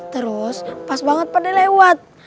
terus pas banget pak d lewat